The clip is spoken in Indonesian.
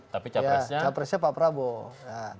tapi capresnya pak prabowo